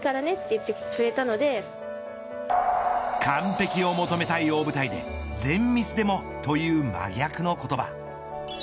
完璧を求めたい大舞台で全ミスでも、という真逆の言葉。